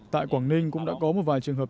tại quảng ninh cũng đã có một vài trường hợp